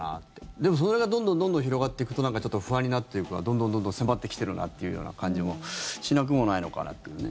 でも、それがどんどん広がっていくとなんかちょっと不安になるというかどんどん迫ってきてるなっていうような感じもしなくもないのかなっていうね。